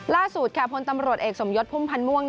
ล่าสุดค่ะพลตำรวจเอกสมยศพุ่มพันธ์ม่วง